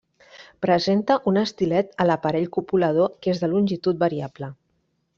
Presenta un estilet a l'aparell copulador que és de longitud variable.